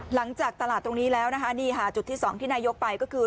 หลังจากตลาดตรงนี้แล้วนะคะนี่ค่ะจุดที่สองที่นายกไปก็คือ